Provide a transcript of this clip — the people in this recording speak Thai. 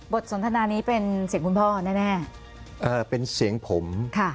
สนทนานี้เป็นเสียงคุณพ่อแน่เป็นเสียงผมค่ะ